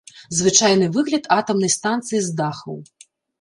Звычайны выгляд атамнай станцыі з дахаў.